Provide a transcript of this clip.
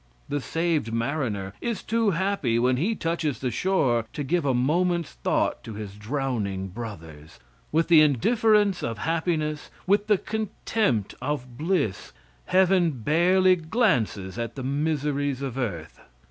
The saved mariner is too happy when he touches the shore to give a moment's thought to his drowning brothers. With the indifference of happiness, with the contempt of bliss, heaven barely glances at the miseries of earth.